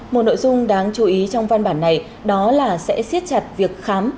một nội dung đáng chú ý trong văn bản này đó là sẽ siết chặt việc khám